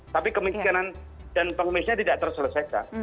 tapi kemungkinan dan pengumusnya tidak terselesaikan